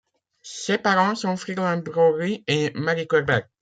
Ses parents sont Fridolin Brogly et Marie Koerber.